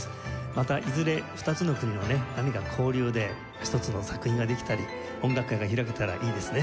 またいずれ２つの国がね何か交流で一つの作品ができたり音楽会が開けたらいいですね。